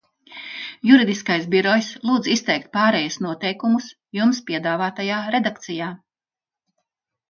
Juridiskais birojs lūdz izteikt pārejas noteikumus jums piedāvātajā redakcijā.